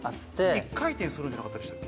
１回転するんじゃなかったでしたっけ？